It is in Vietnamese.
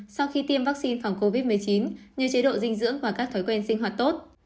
sau khi tiêm vaccine phòng covid một mươi chín nhiều chế độ dinh dưỡng và các thói quen sinh hoạt tốt